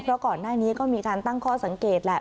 เพราะก่อนหน้านี้ก็มีการตั้งข้อสังเกตแหละ